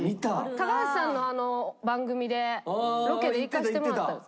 高橋さんの番組でロケで行かせてもらったんです。